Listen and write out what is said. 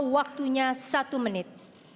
waktunya satu menit